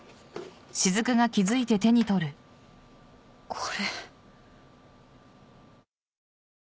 これ。